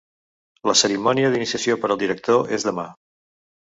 La cerimònia d'iniciació per al director és demà.